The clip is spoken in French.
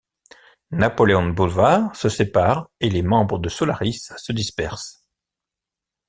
Napoleon Boulevard se sépare et les membres de Solaris se dispersent.